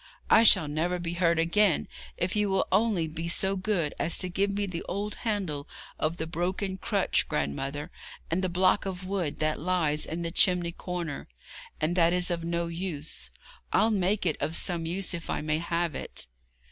I shall never be hurt again if you will only be so good as to give me the old handle of the broken crutch, grandmother, and the block of wood that lies in the chimney corner, and that is of no use. I'll make it of some use, if I may have it.'